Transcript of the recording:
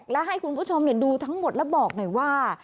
และให้คุณผู้ชมดูทั้งหมดแล้วบอกหน่อยว่า